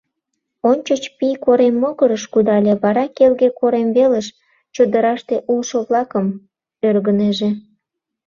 — Ончыч Пий корем могырыш кудале, вара Келге корем велыш, чодыраште улшо-влакым ӧргынеже.